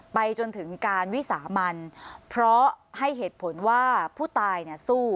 ไปจนถึงการวิสามันเพราะให้เหตุผลว่าผู้ตายเนี่ยสู้